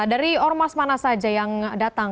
dari ormas mana saja yang datang